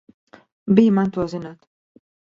Bij man to zināt!